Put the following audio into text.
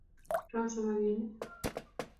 ram samakinik